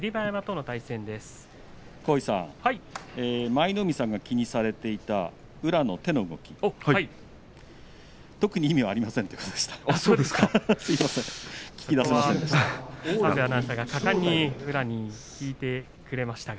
舞の海さんが気にされていた宇良の手の動き特に意味はありませんということでした。